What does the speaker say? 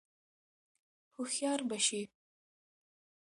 هوښیار به شې !